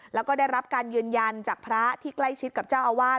แล้วก็ได้รับการยืนยันจากพระที่ใกล้ชิดกับเจ้าอาวาส